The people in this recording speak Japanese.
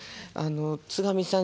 津上さん